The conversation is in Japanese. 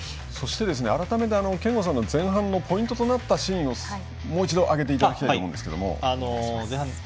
改めて憲剛さんの前半のポイントとなったシーンをもう一度挙げていただきたいです。